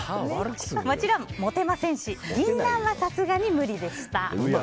もちろん、モテませんし銀杏はさすがに無理でした。